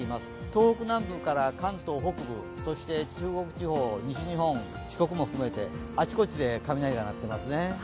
東北南部から関東、中国地方含めて西日本、四国も含めてあちこちで雷が鳴っていますね。